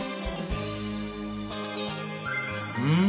うん！